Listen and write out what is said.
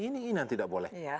ini yang tidak boleh